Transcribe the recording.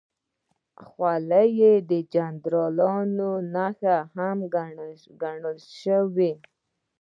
خولۍ د جنرالانو نښه هم ګڼل شوې.